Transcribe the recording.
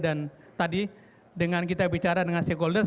dan tadi dengan kita bicara dengan stakeholders